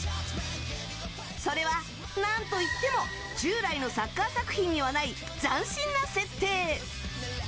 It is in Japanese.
それは、何と言っても従来のサッカー作品にはない斬新な設定。